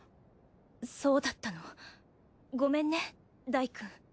そうだったのごめんねダイくん。